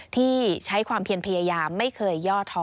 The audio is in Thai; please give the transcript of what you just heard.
ที่ใช้ความเพียรพยายามไม่เคยย่อท้อ